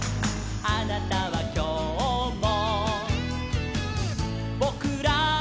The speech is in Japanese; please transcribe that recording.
「あなたはきょうも」